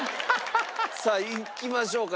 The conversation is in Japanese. さあいきましょうか。